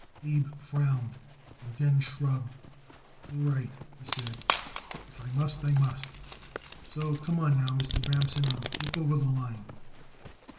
Abe frowned and then shrugged. "All right," he said; "if I must I must. So come on now, Mr. Bramson, and look over the line."